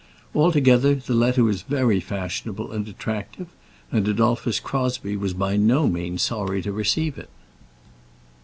Altogether, the letter was very fashionable and attractive, and Adolphus Crosbie was by no means sorry to receive it.